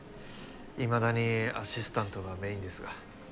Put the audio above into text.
いまだにアシスタントがメインですが。